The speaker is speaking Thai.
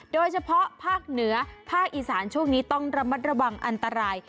โดยเฉพาะภาคเหนือภาคอีสานช่วงนี้ต้องระมัดระวังอันตราย